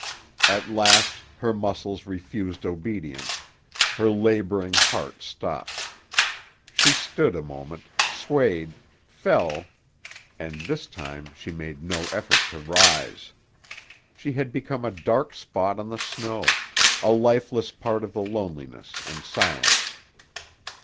At last her muscles refused obedience, her laboring heart stopped. She stood a moment, swayed, fell, and this time she made no effort to rise. She had become a dark spot on the snow, a lifeless part of the loneliness and silence.